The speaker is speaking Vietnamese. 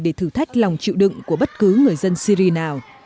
để thử thách lòng chịu đựng của bất cứ người dân syri nào